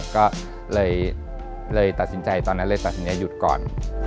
ก็เลยตัดสินใจตอนนั้นเลยแต่ทีนี้หยุดก่อน